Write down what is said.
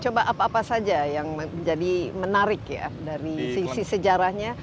coba apa apa saja yang menjadi menarik ya dari sisi sejarahnya